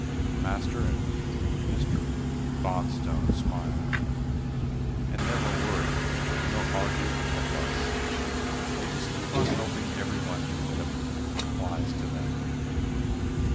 Master and Mr. Bonstone smile, and never worry, nor argue, nor fuss they just keep on helping everybody that applies to them.